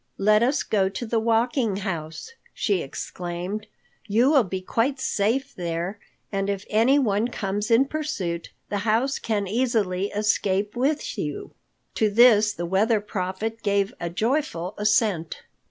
"Let us go to the Walking House!" she exclaimed. "You will be quite safe there and if anyone comes in pursuit, the house can easily escape with you." To this the Weather Prophet gave a joyful assent.